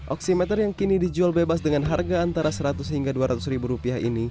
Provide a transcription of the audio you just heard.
oksimeter yang kini dijual bebas dengan harga antara seratus hingga dua ratus ribu rupiah ini